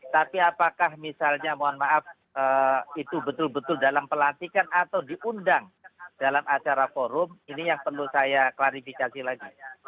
tapi apakah misalnya mohon maaf itu betul betul dalam pelantikan atau diundang dalam acara forum ini yang perlu saya klarifikasi lagi